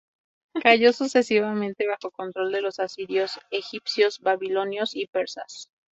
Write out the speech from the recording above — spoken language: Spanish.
Cayó sucesivamente bajo control de los, asirios, egipcios, babilonios, y persas.